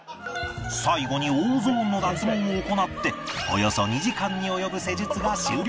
最後に Ｏ ゾーンの脱毛を行っておよそ２時間に及ぶ施術が終了